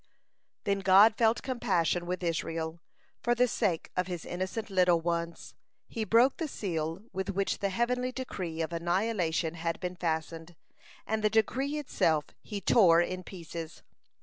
Then God felt compassion with Israel, for the sake of his innocent little ones. He broke the seal with which the heavenly decree of annihilation had been fastened, and the decree itself he tore in pieces.